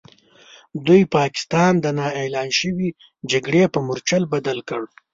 دوی پاکستان د نا اعلان شوې جګړې په مورچل بدل کړ.